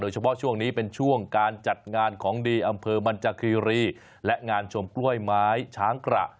เฉพาะช่วงนี้เป็นช่วงการจัดงานของดีอำเภอมันจากคีรีและงานชมกล้วยไม้ช้างกระ